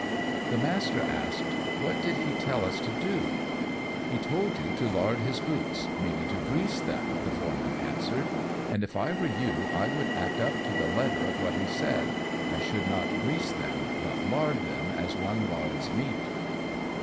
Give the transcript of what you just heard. The Master asked, "What did he tell us to do?" "He told you to lard his boots, meaning to grease them," the Foreman answered; "and if I were you I would act up to the letter of what he said; I should not grease them, but lard them as one lards meat."